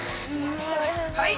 はい！